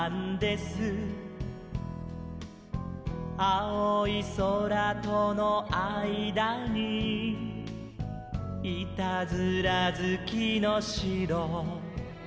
「あおいそらとのあいだにいたずらずきのしろ」